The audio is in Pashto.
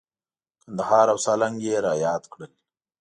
کندهار او سالنګ یې را یاد کړل.